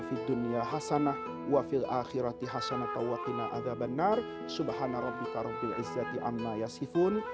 fiddunya hasanah wa fil akhirati hasanah tawakina adha bannar subhanarabbika rabbil izzati amma yasifun